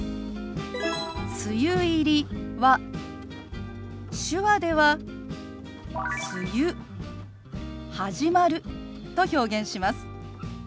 「梅雨入り」は手話では「梅雨始まる」と表現します。